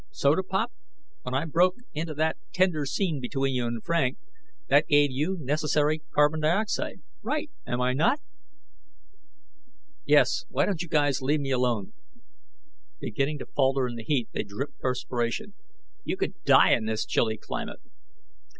Soda pop, when I broke into that tender scene between you and Frank that gave you necessary carbon dioxide, right, am I not?" "Yes ... Why don't you guys leave me alone?" Beginning to falter in the heat, they dripped perspiration. "You could die in this chilly climate."